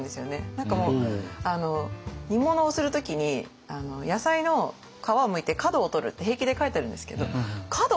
何かもう煮物をする時に「野菜の皮をむいて角をとる」って平気で書いてあるんですけど「角？